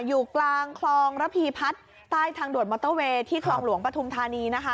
อยู่กลางคลองระพีพัฒน์ใต้ทางด่วนมอเตอร์เวย์ที่คลองหลวงปฐุมธานีนะคะ